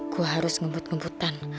gue harus ngebut ngebutan